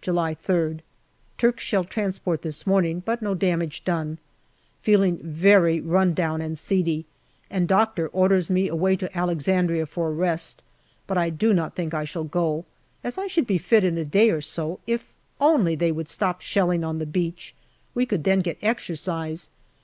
July 3rd. Turks shell transport this morning, but no damage done. Feeling very run down and seedy, and doctor orders me away to Alexandria for a rest, but I do not think I shall go, as I should be fit in a day or so, if only they would stop shelling on the beach; we could then get exercise.